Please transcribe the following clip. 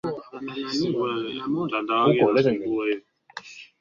Kupitia mkutano wa chama wa mwezi wa kwanza mwaka elfu mbili na tano